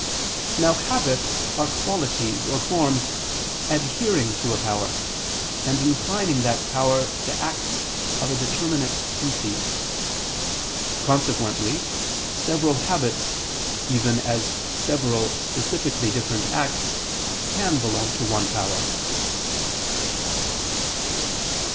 Now habits are qualities or forms adhering to a power, and inclining that power to acts of a determinate species. Consequently several habits, even as several specifically different acts, can belong to one power.